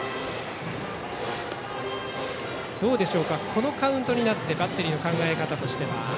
このカウントになってバッテリーの考え方としては。